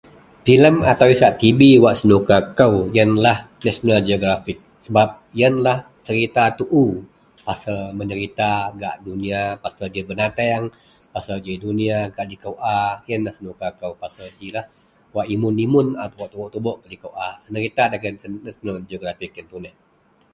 Filem atau wak isak tibi wak senuka kou iyenlah National Geography sebab iyenlah serita tuo pasel menderita gak duniya pasel ji benateang pasel ji duniya gak liko a iyenlah senuka kou wak imun- imun tubouk tibouk liko a senerita dagen National Geography iyen tuneh.